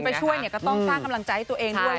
ไปช่วยเนี่ยก็ต้องสร้างกำลังใจให้ตัวเองด้วย